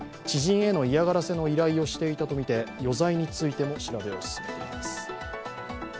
知人への嫌がらせの依頼をしていたとみて、余罪についても調べています。